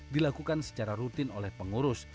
dilakukan secara rutin oleh pengurus